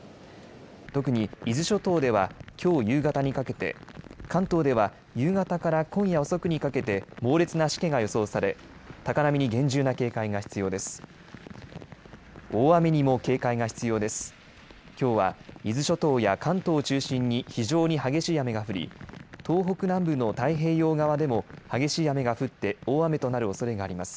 特に伊豆諸島ではきょう夕方にかけて、関東では夕方から今夜遅くにかけて猛烈なしけが予想され高波に厳重な警戒が必要です。